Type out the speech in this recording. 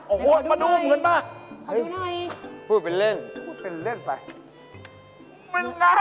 โอ้โฮมาดูเหมือนมากเอาดูหน่อยพูดเป็นเล่นไปเหมือนไง